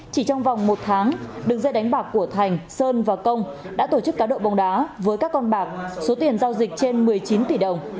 chỉ trong vòng một tháng đường dây đánh bạc của thành sơn và công đã tổ chức cá độ bóng đá với các con bạc số tiền giao dịch trên một mươi chín tỷ đồng